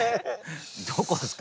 どこですか？